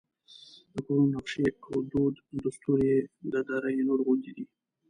د کورونو نقشې او دود دستور یې د دره نور غوندې دی.